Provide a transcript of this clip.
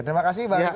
terima kasih banyak